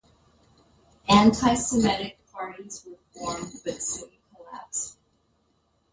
Antisemitic parties were formed but soon collapsed.